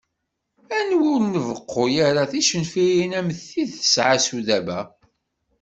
Anwa ur nbeqqu ara ticenfirin am tid tesɛa Sudaba.